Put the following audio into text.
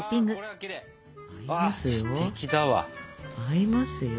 合いますよ。